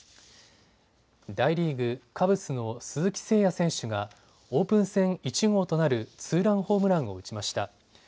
大リーグ、カブスの鈴木誠也選手がオープン戦１号となるツーランホームランを打ちました。